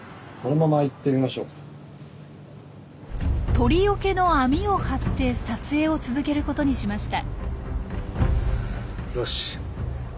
鳥よけの網を張って撮影を続けることにしました。